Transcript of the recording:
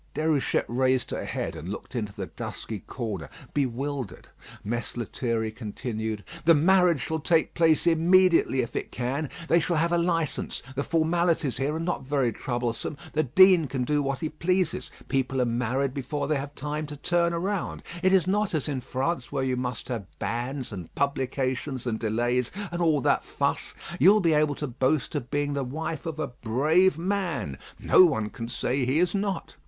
Déruchette raised her head, and looked into the dusky corner bewildered. Mess Lethierry continued: "The marriage shall take place immediately, if it can; they shall have a licence; the formalities here are not very troublesome; the dean can do what he pleases; people are married before they have time to turn round. It is not as in France, where you must have bans, and publications, and delays, and all that fuss. You will be able to boast of being the wife of a brave man. No one can say he is not.